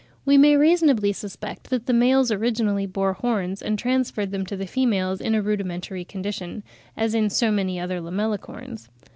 We may reasonably suspect that the males originally bore horns and transferred them to the females in a rudimentary condition, as in so many other Lamellicorns.